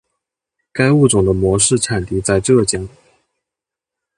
该物种的模式产地在浙江。